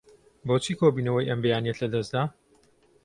بۆچی کۆبوونەوەی ئەم بەیانییەت لەدەست دا؟